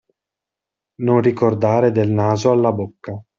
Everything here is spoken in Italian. Non ricordare del naso alla bocca.